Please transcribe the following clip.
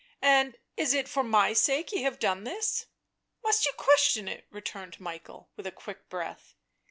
" And is it for my sake ye have done this ?"" Must you question it ?" returned Michael, with a quick breath.